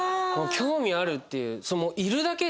「興味ある？」っていう。